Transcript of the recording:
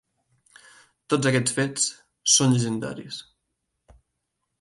Tots aquests fets són llegendaris.